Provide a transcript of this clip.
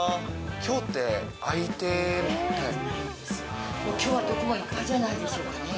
きょうはどこもいっぱいじゃないでしょうかね。